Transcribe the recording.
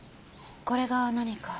これが何か？